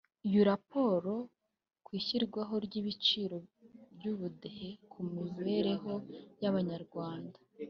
Iyo raporo ku ishyirwaho ry’ibyiciro by’Ubudehe ku mibereho y’Abanyarwanda